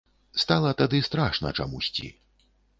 Стала тады страшна чамусьці.